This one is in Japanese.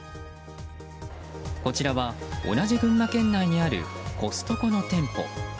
こちらは同じ群馬県内にあるコストコの店舗。